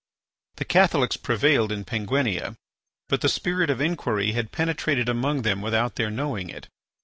The Catholics prevailed in Penguinia. But the spirit of inquiry had penetrated among them without their knowing it.